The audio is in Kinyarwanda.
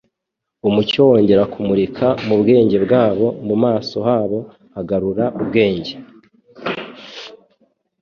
Umucyo wongera kumurika mu bwenge bwabo. Mu maso habo hagarura ubwenge,